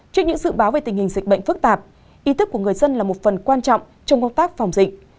trước những dự báo về tình hình dịch bệnh phức tạp ý thức của người dân là một phần quan trọng trong công tác phòng dịch